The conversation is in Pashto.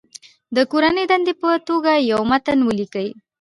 د کورنۍ دندې په توګه یو متن ولیکئ.